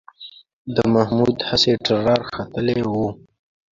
د محمود هسې ټرار ختلی و